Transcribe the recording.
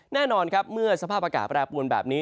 แน่นอนครับเมื่อสภาพอากาศแปรปวนแบบนี้